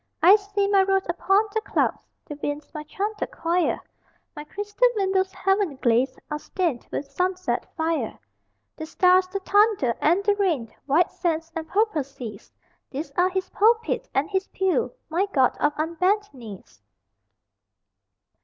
I see my rood upon the clouds, The winds, my chanted choir; My crystal windows, heaven glazed, Are stained with sunset fire. The stars, the thunder, and the rain, White sands and purple seas These are His pulpit and His pew, My God of Unbent Knees!